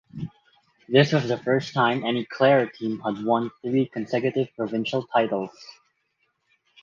This was the first time any Clare team had won three consecutive provincial titles.